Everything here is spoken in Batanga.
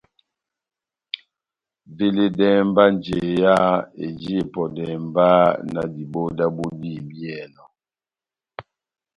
Veledɛhɛ mba njeya eji epɔdɛhɛ mba na diboho dábu dihibiyɛnɔ.